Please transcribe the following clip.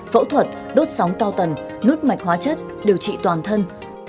phẫu thuật đốt sóng cao tần nút mạch hóa chất điều trị toàn thân